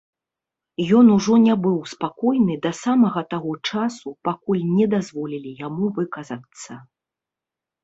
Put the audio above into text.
Ён ужо не быў спакойны да самага таго часу, пакуль не дазволілі яму выказацца.